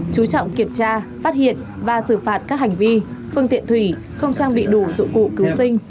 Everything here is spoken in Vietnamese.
chú trọng kiểm tra phát hiện và xử phạt các hành vi phương tiện thủy không trang bị đủ dụng cụ cứu sinh